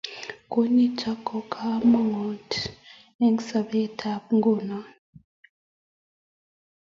Konyit ko kamanuut eng sopet tab nguno